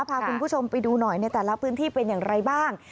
พาคุณผู้ชมไปดูหน่อยในแต่ละพื้นที่เป็นอย่างไรบ้าง